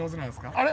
あれ？